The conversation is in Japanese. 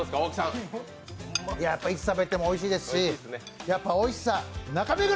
いつ食べてもおいしいですし、おいしさ中目黒！